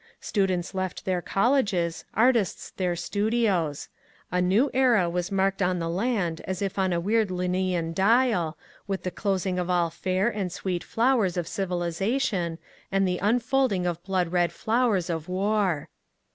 Students left their colleges, artists their studios ; a new era was marked on the land as if on a weird Linnsean dial, with the closing of all fair and sweet flowers of civiliza tion and the unfolding of blood red flowers of war.